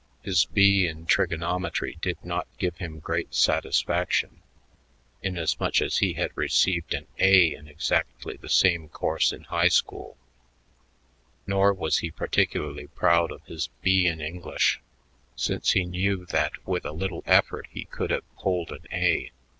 His B in trigonometry did not give him great satisfaction inasmuch as he had received an A in exactly the same course in high school; nor was he particularly proud of his B in English, since he knew that with a little effort he could have "pulled" an A.